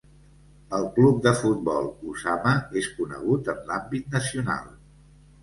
El Club de Futbol Usama és conegut en l'àmbit nacional.